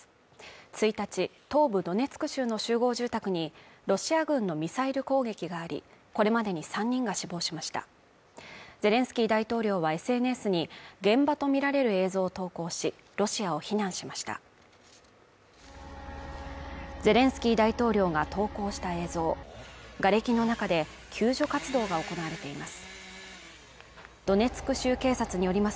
１日東部ドネツク州の集合住宅にロシア軍のミサイル攻撃がありこれまでに３人が死亡しましたゼレンスキー大統領はＳＮＳに現場とみられる映像を投稿しロシアを非難しましたゼレンスキー大統領が投稿した映像がれきの中で救助活動が行われています